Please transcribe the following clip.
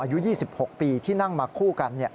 อายุ๒๖ปีที่นั่งมาคู่กัน